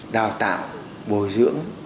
đào tạo bồi dưỡng